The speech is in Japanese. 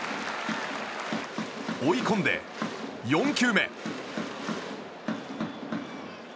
追い込んで、４球目。